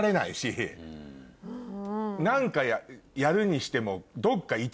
何かやるにしてもどっか。